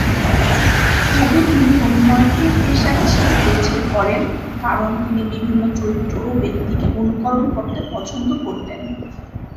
তবে তিনি অভিনয়কে পেশা হিসেবে বেছে করেন, কারণ তিনি বিভিন্ন চরিত্র ও ব্যক্তিকে অনুকরণ করতে পছন্দ করতেন।